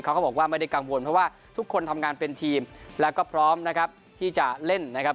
เขาก็บอกว่าไม่ได้กังวลเพราะว่าทุกคนทำงานเป็นทีมแล้วก็พร้อมนะครับที่จะเล่นนะครับ